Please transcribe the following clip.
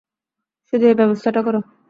শুধু এই ব্যবস্থাটা কর।